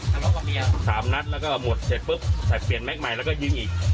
แต่คนนี้ผมเพิ่งเคยเห็นเขามาอยู่ที่นี่